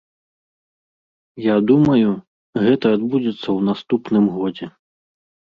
Я думаю, гэта адбудзецца ў наступным годзе.